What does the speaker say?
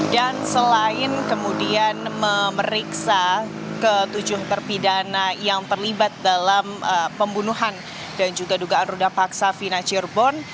dan selain kemudian memeriksa ketujuh terpidana yang terlibat dalam pembunuhan dan juga dugaan ruda paksa vina cirebon